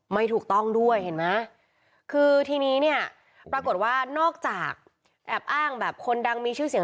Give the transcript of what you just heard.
ไม่ถูกต้องด้วยเห็นไหมคือทีนี้เนี่ยปรากฏว่านอกจากแอบอ้างแบบคนดังมีชื่อเสียง